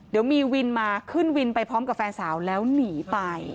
เดี๋ยวมีวินมาขึ้นวินไปพร้อมกับแฟนสาวแล้วหนีไป